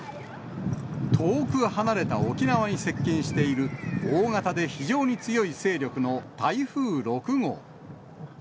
遠く離れた沖縄に接近している、大型で非常に強い勢力の台風６号。